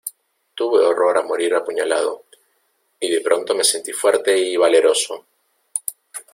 tuve horror a morir apuñalado, y de pronto me sentí fuerte y valeroso.